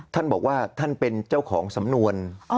ท่านบอกว่าท่านเป็นเจ้าของสำนวน